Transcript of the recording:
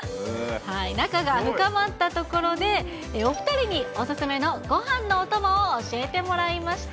仲が深まったところで、お２人にお勧めのごはんのお供を教えてもらいました。